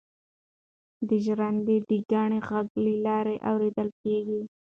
د ژرندې د کاڼي غږ له لیرې اورېدل کېږي.